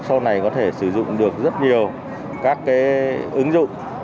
sau này có thể sử dụng được rất nhiều các ứng dụng